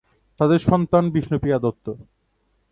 তাদের সন্তান বিষ্ণুপ্রিয়া দত্ত।